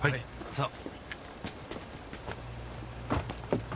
さあ。